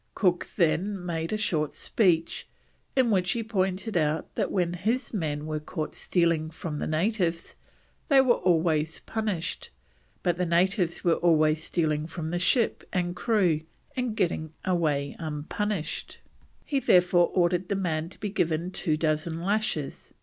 Cook then made a short speech in which he pointed out that when his men were caught stealing from the natives they were always punished, but the natives were always stealing from the ship and crew and getting away unpunished, he therefore ordered the man to be given two dozen lashes.